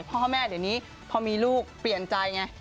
พ่อแม่เดี๋ยวนี้พอมีลูกเปลี่ยนใจไง